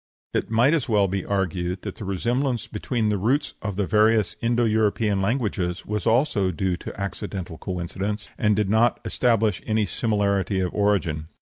It might as well be argued that the resemblance between the roots of the various Indo European languages was also due to accidental coincidence, and did not establish any similarity of origin.